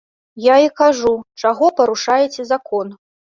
Я і кажу, чаго парушаеце закон?!